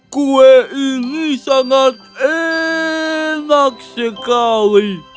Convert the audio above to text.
kue ini sangat enak sekali